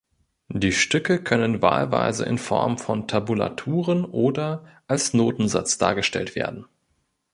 Die Stücke können wahlweise in Form von Tabulaturen oder als Notensatz dargestellt werden.